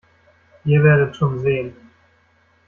Ihr werdet schon sehen.